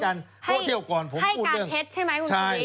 ให้การเท็จใช่มั้ยคุณผู้ติธย์